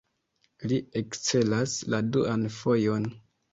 Li ekcelas la duan fojon.